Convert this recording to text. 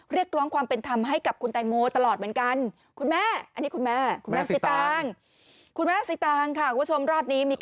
เรียกร้องความเป็นธรรมให้กับคุณแตงโมตลอดเหมือนกัน